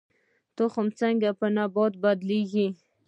تخم څنګه په نوي نبات بدلیږي؟